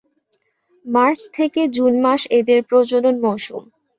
March থেকে June মাস এদের প্রজনন মৌসুম।